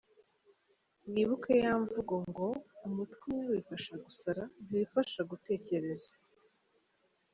Mwibuke ya mvugo ngo “umutwe umwe wifasha gusara, ntiwifasha gutekereza”.